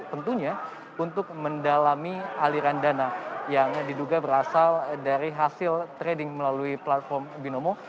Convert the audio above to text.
tentunya untuk mendalami aliran dana yang diduga berasal dari hasil trading melalui platform binomo